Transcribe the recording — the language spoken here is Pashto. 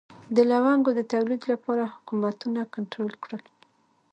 د لونګو د تولید لپاره حکومتونه کنټرول کړل.